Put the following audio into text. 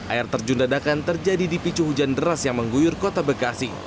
air terjun dadakan terjadi di picu hujan deras yang mengguyur kota bekasi